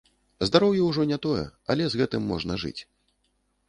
Здароўе ўжо не тое, але з гэтым можна жыць.